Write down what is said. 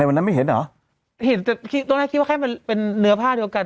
วันนั้นไม่เห็นเหรอเห็นแต่คิดตรงนั้นคิดว่าแค่มันเป็นเนื้อผ้าเดียวกัน